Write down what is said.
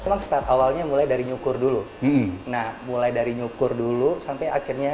cuma start awalnya mulai dari nyukur dulu nah mulai dari nyukur dulu sampai akhirnya